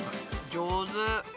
上手。